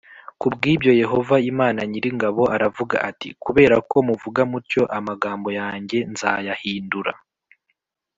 Ku bw ibyo Yehova Imana nyir ingabo aravuga ati kubera ko muvuga mutyo amagambo yanjye nzayahindura